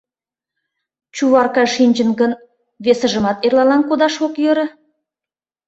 Чуварка шинчын гын, весыжымат эрлалан кодаш ок йӧрӧ.